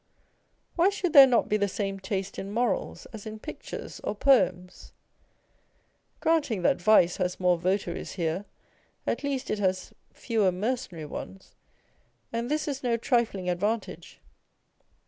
Why should there not be the same taste in morals as in pictures or poems ? Granting that vice has more votaries here, at least it has fewer mercenary ones, and this is no trifling advantage.